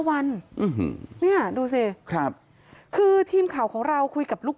วันเนี่ยดูสิครับคือทีมข่าวของเราคุยกับลูก